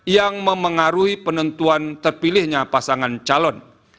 yang memengaruhi penentuan terpilihnya pasangan calon